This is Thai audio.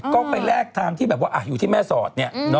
ก็ไปแลกทางที่อยู่ที่แม่สอด